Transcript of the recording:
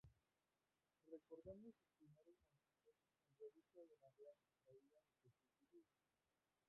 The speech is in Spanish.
Recordando sus primeros momentos, en Revista de la Real cofradía de Jesús divino.